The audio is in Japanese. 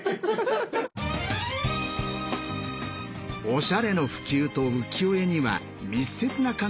おしゃれの普及と浮世絵には密接な関係があります。